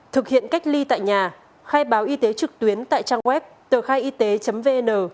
thực hiện cách ly tại nhà khai báo y tế trực tuyến tại trang web tờkhaiyt vn